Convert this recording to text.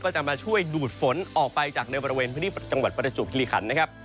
ก็จะมาช่วยดูดฝนออกไปจากในบริเวณพฤติจังหวัดปรจุภิริคัณนะครับ